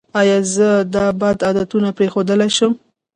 ایا زه دا بد عادتونه پریښودلی شم؟